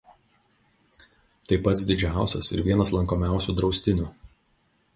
Tai pats didžiausias ir vienas lankomiausių draustinių.